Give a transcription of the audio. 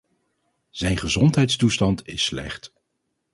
Zijn gezondheidstoestand is slecht.